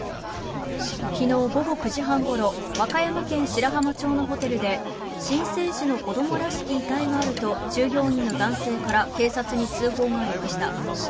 昨日、午後９時半ごろ和歌山県白浜町のホテルで「新生児の子どもらしき遺体がある」と従業員の男性から警察に通報がありました。